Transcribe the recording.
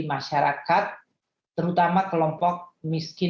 melalui kartu sembako